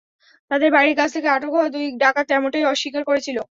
তাঁদের বাড়ির কাছ থেকে আটক হওয়া দুই ডাকাত তেমনটাই স্বীকার করেছিল।